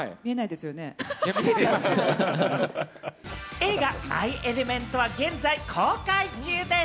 映画『マイ・エレメント』は現在、公開中です。